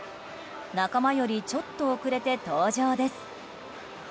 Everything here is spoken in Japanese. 仲間よりちょっと遅れて登場です。